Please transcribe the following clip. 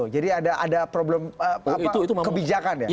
jadi ada problem kebijakan ya